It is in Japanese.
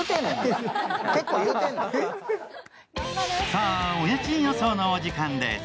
さあ、お家賃予想のお時間です。